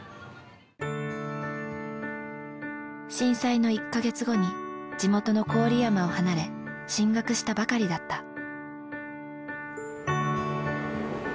震災の１か月後に地元の郡山を離れ進学したばかりだった。